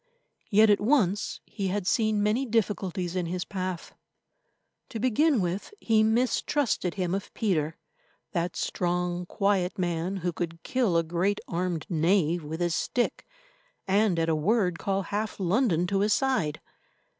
Yet at once he had seen many difficulties in his path. To begin with, he mistrusted him of Peter, that strong, quiet man who could kill a great armed knave with his stick, and at a word call half London to his side.